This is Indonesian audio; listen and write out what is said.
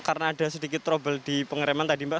karena ada sedikit trouble di pengereman tadi mbak